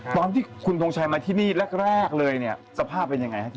พร้อมที่คุณทงชัยมาที่นี่แรกเลยสภาพเป็นอย่างไรครับ